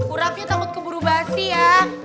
urapnya takut keburu basi ya